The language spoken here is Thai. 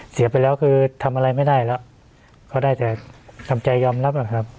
เสียไปแล้วคือทำอะไรไม่ได้แล้วก็ได้แต่ทำใจยอมรับนะครับ